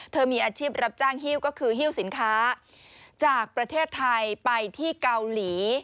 มีอาชีพรับจ้างฮิ้วก็คือหิ้วสินค้าจากประเทศไทยไปที่เกาหลี